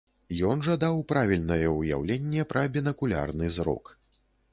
Ён жа даў правільнае ўяўленне пра бінакулярны зрок.